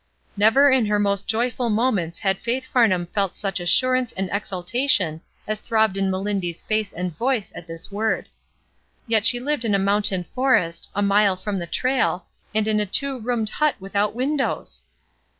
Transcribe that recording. Never in her most joyful moments had Faith Farnham felt such assurance and exultation as throbbed in Melindy's face and voice at this word. Yet she lived in a mountain forest, a mile from the trail, and in a two roomed hut without windows!